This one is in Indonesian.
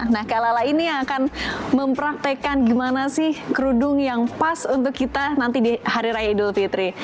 nah kak lala ini yang akan mempraktekkan gimana sih kerudung yang pas untuk kita nanti di hari raya idul fitri